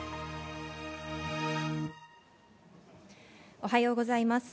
おはようございます。